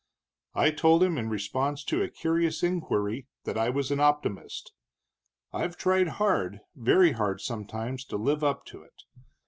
"I told him, in response to a curious inquiry, that I was an optimist. I've tried hard very hard, sometimes to live up to it.